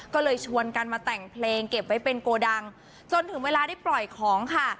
ก็เลยชวนกันมาแต่งเพลงเก็บไว้เป็นโกดังจนถึงเวลาได้ปล่อยของค่ะ